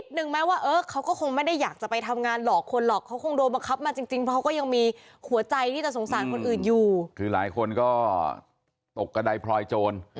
คือหลายคนก็ตกกระดายพลอยโจร